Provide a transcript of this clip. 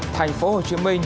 thành phố hồ chí minh